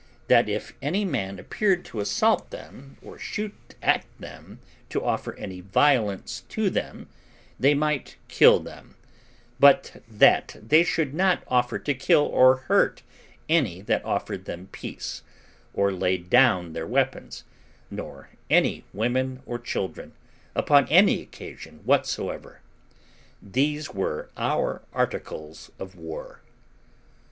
that if any man appeared to assault them, or shoot at them to offer any violence to them, they might kill them; but that they should not offer to kill or hurt any that offered them peace, or laid down their weapons, nor any women or children, upon any occasion whatsoever. These were our articles of war.